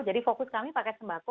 jadi fokus kami paket sembako